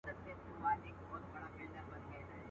يو لامل دا هم وو چي نارينو و ښځي